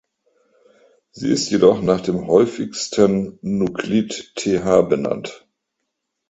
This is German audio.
Sie ist jedoch nach dem häufigsten Nuklid Th benannt.